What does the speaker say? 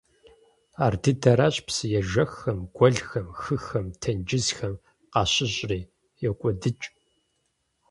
Ар дыдэращ псы ежэххэм, гуэлхэм, хыхэм, тенджызхэм къащыщӀри – йокӀуэдыкӀ.